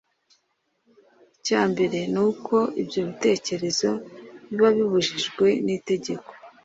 Icya mbere ni uko ibyo bitekerezo biba bibujijwe n’itegeko